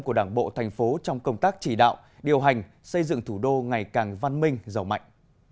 của đảng bộ thành phố trong công tác chỉ đạo điều hành xây dựng thủ đô ngày càng văn minh giàu mạnh